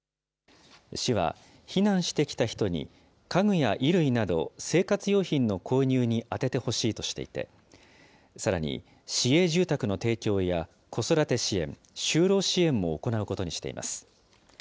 市は、避難してきた人に、家具や衣類など生活用品の購入に充ててほしいとしていて、さらに、市営住宅の提供や、子育て支援、就労支援も行うことにしています。